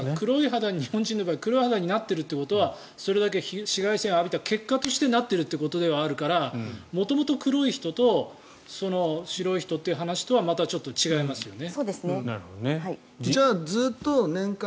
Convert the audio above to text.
ただ、日本人の場合は黒い肌になっている場合はそれだけ紫外線を浴びた結果としてなってるということではあるから元々黒い人と、白い人という話とはまたちょっと違いますよね。